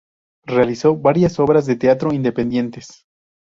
Realizó varias obras de teatro independientes.